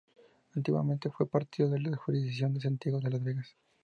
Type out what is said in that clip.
Antiguamente fue partido de la jurisdicción de Santiago de las Vegas.